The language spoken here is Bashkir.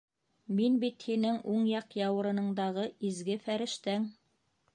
Мин бит һинең уң яҡ яурыныңдағы изге фәрештәң.